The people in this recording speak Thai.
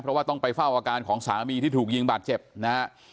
เพราะว่าต้องไปเฝ้าอาการของสามีที่ถูกยิงบาดเจ็บนะฮะ